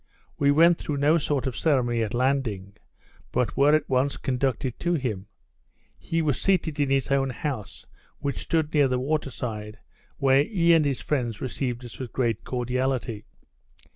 We went through no sort of ceremony at landing, but were at once conducted to him. He was seated in his own house, which stood near the water side, where he and his friends received us with great cordiality.